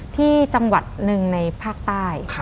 ที่จังหวัดหนึ่งในภาคใต้